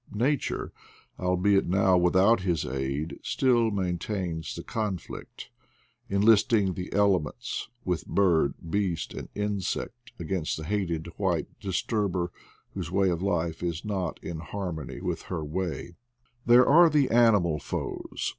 Nature, albeit now without his aid, still main tains the conflict, enlisting the elements, with bird, beast, and insect, against the hated white dis turber, whose way of life is not in harmony with her way. 76 IDLE DATS IN PATAGONIA There are the animal foes.